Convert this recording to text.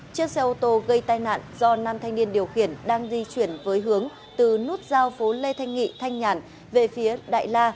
chiếc xe ô tô gây tai nạn do nam thanh niên điều khiển đang di chuyển với hướng từ nút giao phố lê thanh nghị thanh nhàn về phía đại la